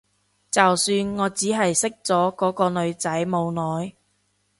就算我只係識咗嗰個女仔冇耐